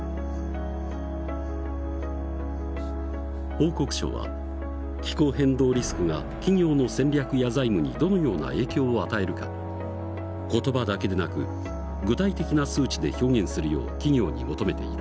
報告書は気候変動リスクが企業の戦略や財務にどのような影響を与えるか言葉だけでなく具体的な数値で表現するよう企業に求めている。